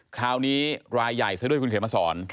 คราวนี้รายใหญ่ซะด้วยคุณเขมสอน